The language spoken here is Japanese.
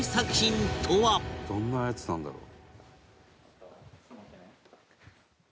「どんなやつなんだろう？」